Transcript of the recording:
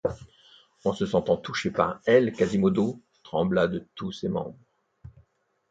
En se sentant touché par elle, Quasimodo trembla de tous ses membres.